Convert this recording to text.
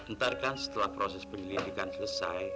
ntar kan setelah proses penyelidikan selesai